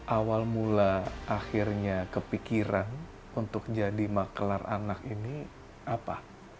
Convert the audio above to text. awal mula akhirnya kepikiran untuk jadi maklar anak ini apa